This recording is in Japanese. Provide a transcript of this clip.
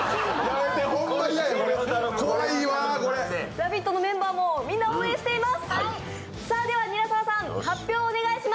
「ラヴィット！」のメンバーもみんな応援しています。